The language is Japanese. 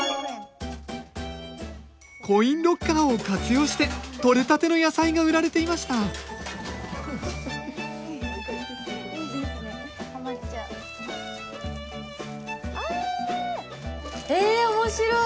コインロッカーを活用してとれたての野菜が売られていましたえ面白い。